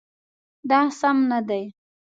دا سم نه دی